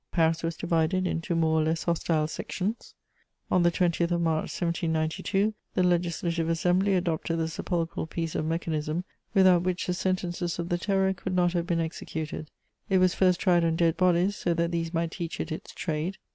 Paris was divided into more or less hostile sections. On the 20th of March 1792, the Legislative Assembly adopted the sepulchral piece of mechanism without which the sentences of the Terror could not have been executed; it was first tried on dead bodies, so that these might teach it its trade.